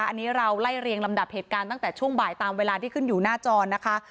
อันนี้เราไล่เรียงลำดับเหตุการณ์ตั้งแต่ช่วงบ่ายตามเวลาที่ขึ้นอยู่หน้าจอนะคะ